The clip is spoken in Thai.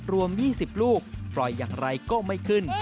รวม๒๐ลูกปล่อยอย่างไรก็ไม่ขึ้น